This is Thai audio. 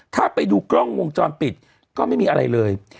ถ้าไปดูกล้องวงจรปิดก็ไม่มีอะไรเลย